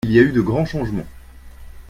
Il y a eu de grands changement.